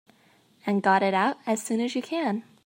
And got it out as soon as you can.